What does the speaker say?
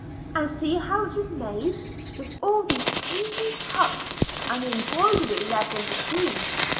And see how it is made, with all these teeny tucks and the embroidery let in between.